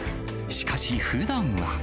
しかし、ふだんは。